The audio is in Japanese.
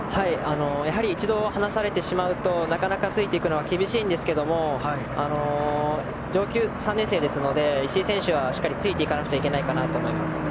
やはり一度離されてしまうとなかなかついていくのは厳しいんですけど３年生ですので石井選手がしっかりついていかないといけないと思います。